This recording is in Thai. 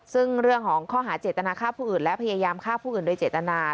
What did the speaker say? ซึ่งเรื่องของข้อหาเจตนาฆ่าผู้อื่นและพยายามฆ่าผู้อื่นโดยเจตนา